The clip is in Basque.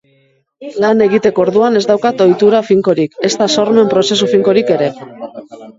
Lan egiteko orduan ez daukat ohitura finkorik, ezta sormen prozesu finkorik ere.